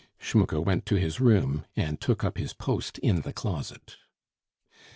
Schmucke went to his room and took up his post in the closet.